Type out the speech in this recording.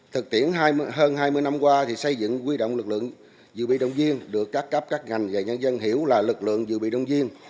thực tiễn hơn hai mươi năm qua thì xây dựng quy động lực lượng dự bị động viên được các cấp các ngành và nhân dân hiểu là lực lượng dự bị động viên